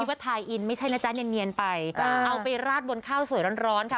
ว่าทายอินไม่ใช่นะจ๊ะเนียนไปเอาไปราดบนข้าวสวยร้อนค่ะ